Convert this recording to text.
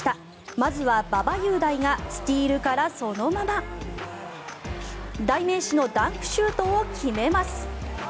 まずは馬場雄大がスティールからそのまま代名詞のダンクシュートを決めます。